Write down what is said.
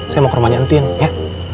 saya mau ke rumah nyantin ya